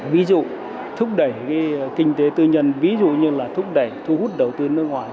ví dụ thúc đẩy kinh tế tư nhân ví dụ như là thúc đẩy thu hút đầu tư nước ngoài